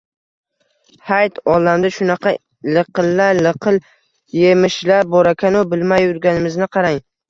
– Hayt! Olamda shunaqa liqila-liqil yemishlar borakan-u, bilmay yurganimizni qarang!